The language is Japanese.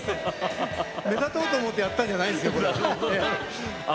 目立とうと思ってやったんじゃないですよ。